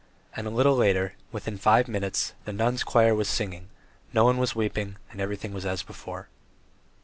And a little later, within five minutes, the nuns' choir was singing; no one was weeping and everything was as before.